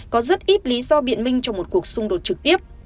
có rất ít lý do biện minh cho một cuộc xung đột trực tiếp